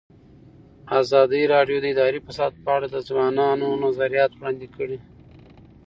ازادي راډیو د اداري فساد په اړه د ځوانانو نظریات وړاندې کړي.